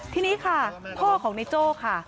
ทีนี้ค่ะพ่อของในโจ้ค่ะ